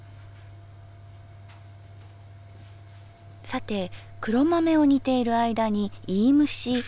さて黒豆を煮ている間にいいむし。